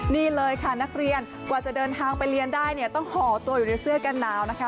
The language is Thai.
นี่เลยค่ะนักเรียนกว่าจะเดินทางไปเรียนได้เนี่ยต้องห่อตัวอยู่ในเสื้อกันหนาวนะคะ